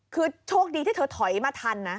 คือโชคดีที่เธอถอยมาทันนะ